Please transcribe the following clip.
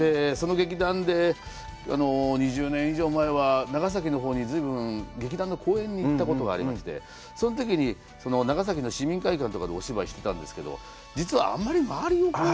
その劇団で２０年以上前は長崎のほうに随分劇団に公演に行ったことがありまして、そのときに長崎の市民会館とかでお芝居してたんですけど、実はあんまり周りを。